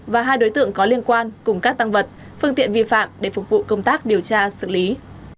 và hai đối tượng có liên quan cùng các tăng vật phương tiện vi phạm để phục vụ công tác điều tra xử lý